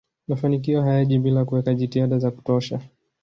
mafanikio hayaji bila kuweka jitihada za kutosha